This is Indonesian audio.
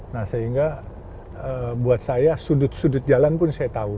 nah sehingga buat saya sudut sudut jalan pun saya tahu